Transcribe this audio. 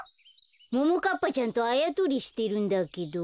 ももかっぱちゃんとあやとりしてるんだけど。